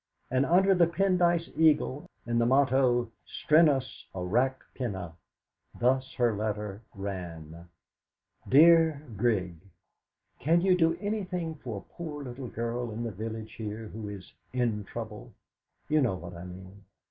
And, under the Pendyce eagle and the motto: 'Strenuus aureaque penna', thus her letter ran: "DEAR GRIG, "Can you do anything for a poor little girl in the village here who is '.n trouble'. you know what I mean.